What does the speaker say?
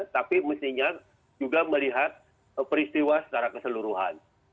tapi mestinya juga melihat peristiwa secara keseluruhan